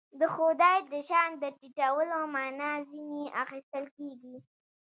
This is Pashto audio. د خدای د شأن د ټیټولو معنا ځنې اخیستل کېږي.